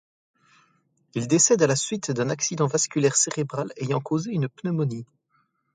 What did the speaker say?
Il décède à la suite d'un accident vasculaire cérébral ayant causé une pneumonie.